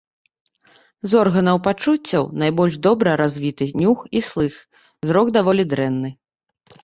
З органаў пачуццяў найбольш добра развіты нюх і слых, зрок даволі дрэнны.